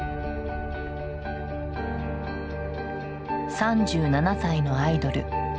３７歳のアイドル。